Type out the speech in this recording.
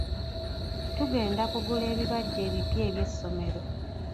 Tugenda kugula ebibajje ebipya eby'essomero.